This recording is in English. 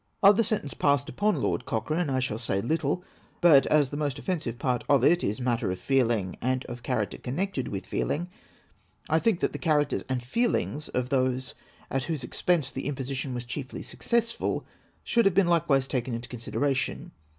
Of the sentence passed upon Lord Cochrane, I shall say little ; but as the most offensive part of it is matter of feeling and of character connected witli feeling, I think that the characters and feelings of those at whose expense the imposi tion was chiefly successful, should have been likewise taken into consideration.